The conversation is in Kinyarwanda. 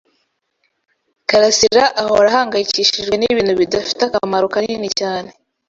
karasira ahora ahangayikishijwe nibintu bidafite akamaro kanini cyane.